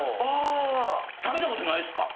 食べたことないですか？